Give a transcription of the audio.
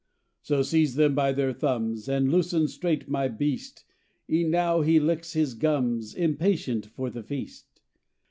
"'So seize them by their thumbs, And loosen straight my beast E'en now he licks his gums, Impatient for the feast.'